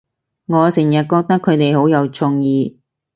我成日覺得佢哋好有創意